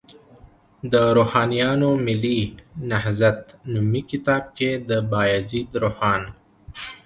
د روښانیانو ملي نهضت نومي کتاب کې، د بایزید روښان